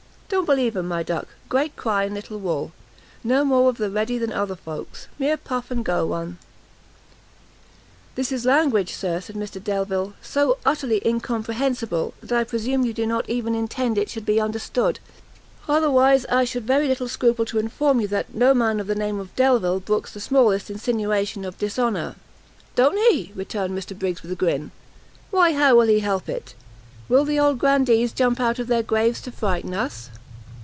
don't believe 'em my duck! great cry and little wool; no more of the ready than other folks; mere puff and go one." "This is language, Sir," said Mr Delvile, "so utterly incomprehensible, that I presume you do not even intend it should be understood; otherwise, I should very little scruple to inform you, that no man of the name of Delvile brooks the smallest insinuation of dishonour." "Don't he?" returned Mr Briggs, with a grin; "why how will he help it? will the old grandees jump up out of their graves to frighten us?"